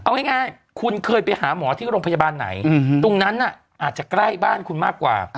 เอาง่ายคุณเคยไปหาหมอที่โรงพยาบาลไหนตรงนั้นอาจจะใกล้บ้านคุณมากกว่า